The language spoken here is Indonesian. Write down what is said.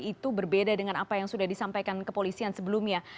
itu berbeda dengan apa yang sudah disampaikan kepolisian sebelumnya